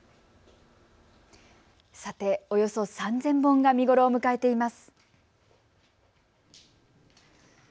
さておよそ３０００本が見頃を迎えています。